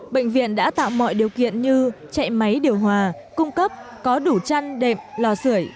bệnh viện đã tạo mọi điều kiện như chạy máy điều hòa cung cấp có đủ chăn đệm lò sửa